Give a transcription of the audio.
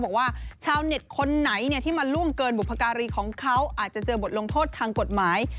บอกว่าชาวเน็ตคนไหนที่มาล่วงเกินบุพการีของเขาอาจจะเจอบทลงโทษทางกฎหมาย